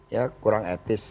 ya kurang etis